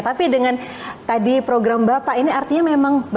tapi dengan tadi program bapak ini artinya memang